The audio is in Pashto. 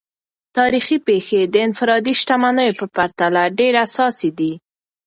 تاریخي پیښې د انفرادي شتمنیو په پرتله ډیر اساسي دي.